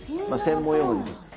まあ専門用語で。